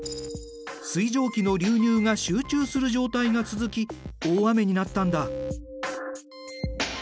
水蒸気の流入が集中する状態が続き大雨になったんだ。